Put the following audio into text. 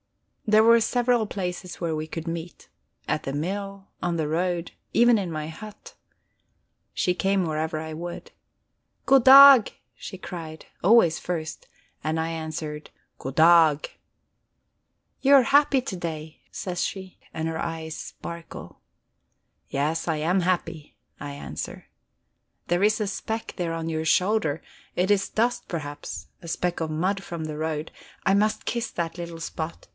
There were several places where we could meet at the mill, on the road, even in my hut. She came wherever I would. "Goddag!" she cried, always first, and I answered "Goddag!" "You are happy to day," she says, and her eyes sparkle. "Yes, I am happy," I answer. "There is a speck there on your shoulder; it is dust, perhaps, a speck of mud from the road; I must kiss that little spot.